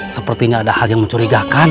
seperti tidak ada hal yang mencurigakan